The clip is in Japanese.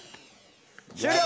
終了！